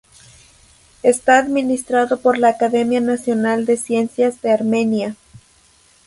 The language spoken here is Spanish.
Está administrado por la Academia Nacional de Ciencias de Armenia.